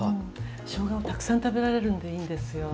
しょうがをたくさん食べられるのでいいんですよ。